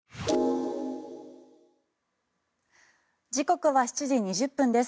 時刻は７時２０分です。